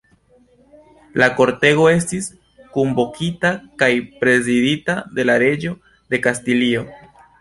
La kortego estis kunvokita kaj prezidita de la reĝo de Kastilio.